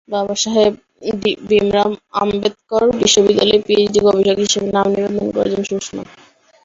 বাবাসাহেব ভিমরাও আম্বেদকর বিশ্ববিদ্যালয়ে পিএইচডি গবেষক হিসেবে নাম নিবন্ধন করেছেন সুষমা।